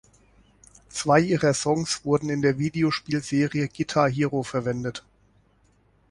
Zwei ihrer Songs wurden in der Videospielserie Guitar Hero verwendet.